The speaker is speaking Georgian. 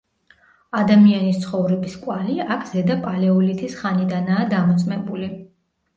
ადამიანის ცხოვრების კვალი აქ ზედა პალეოლითის ხანიდანაა დამოწმებული.